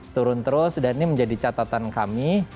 turun terus dan ini menjadi catatan kami